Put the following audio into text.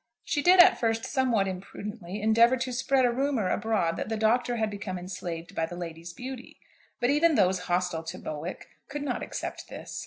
She did at first somewhat imprudently endeavour to spread a rumour abroad that the Doctor had become enslaved by the lady's beauty. But even those hostile to Bowick could not accept this.